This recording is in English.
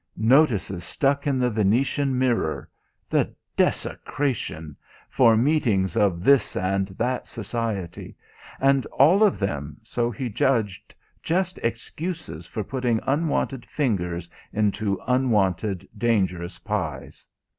Notices stuck in the Venetian Mirror (the desecration!) for meetings of this and that society, and all of them, so he judged, just excuses for putting unwanted fingers into unwanted, dangerous pies.